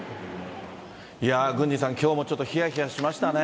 いやー、郡司さん、きょうもちょっとひやひやしましたね。